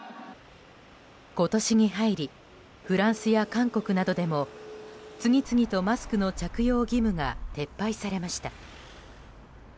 今年に入りフランスや韓国などでも次々とマスクの着用義務が撤廃されました。